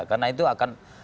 karena itu akan